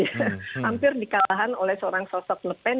hampir dikalahan oleh seorang sosok ngepen